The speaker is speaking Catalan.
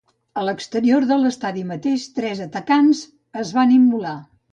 A l’exterior de l’estadi mateix, tres atacants es van immolar.